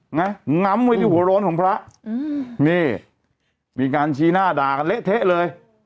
งั้นงำไว้ที่หัวร้อนของพระอืมนี่มีการชี้หน้าด่ากันเละเทะเลย